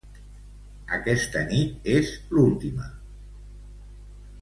Aquesta nit és l'última.